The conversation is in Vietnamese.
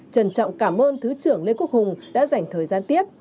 trân trọng cảm ơn thứ trưởng lê quốc hùng đã dành thời gian tiếp